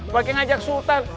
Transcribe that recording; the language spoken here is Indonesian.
bagi ngajak sultan